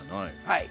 はい。